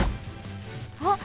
あっ！